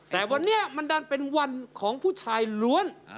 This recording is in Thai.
แต่วันนี้มันดันเป็นวันของผู้ชายล้วน